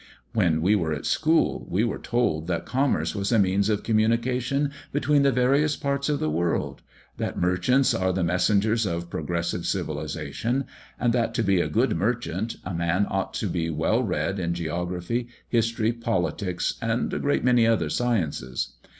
When we were at school, we were told that commerce was a means of communication between the various parts of the world; that merchants are the messengers of progressive civilisation; and that to be a good merchant a man ought to be well read in geography, history, politics, and a great many other sciences.